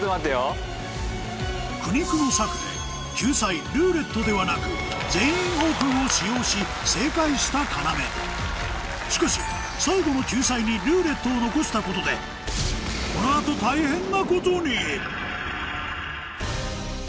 苦肉の策で救済「ルーレット」ではなく「全員オープン」を使用し正解した要しかし最後の救済に「ルーレット」を残したことでこの後大変なことに！